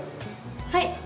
はい！